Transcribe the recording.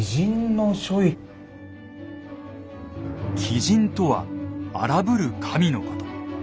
「鬼神」とは荒ぶる神のこと。